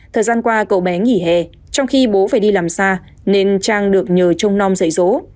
thời gian qua cậu bé nghỉ hè trong khi bố phải đi làm xa nên trang được nhờ trung non dạy dỗ